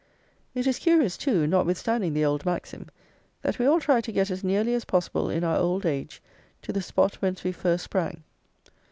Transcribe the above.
It is curious, too, notwithstanding the old maxim, that we all try to get as nearly as possible in our old age to the spot whence we first sprang.